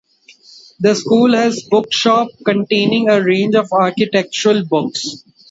The school has a bookshop, containing a range of architectural books.